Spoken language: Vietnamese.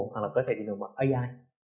hoặc là có thể tìm được bằng ai